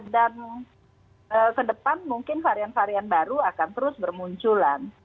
dan ke depan mungkin varian varian baru akan terus bermunculan